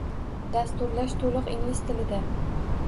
Dasturlash to’liq ingliz tilida